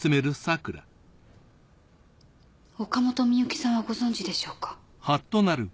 岡本深雪さんはご存じでしょうか？